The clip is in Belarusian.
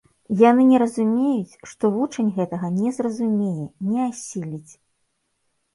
Яны не разумеюць, што вучань гэтага не зразумее, не асіліць.